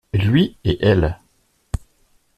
Lui et elle.